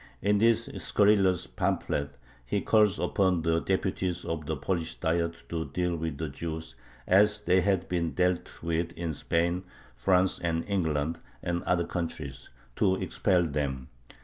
In this scurrilous pamphlet he calls upon the deputies of the Polish Diet to deal with the Jews as they had been dealt with in Spain, France, England, and other countries to expel them.